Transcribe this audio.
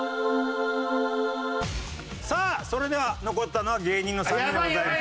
さあそれでは残ったのは芸人の３人でございます。